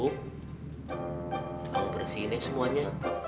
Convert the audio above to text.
kau bersihin deh semuanya